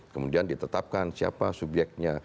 kemudian ditetapkan siapa subyeknya